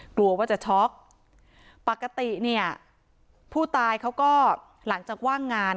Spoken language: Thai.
กลัวว่าจะช็อกปกติเนี่ยผู้ตายเขาก็หลังจากว่างงาน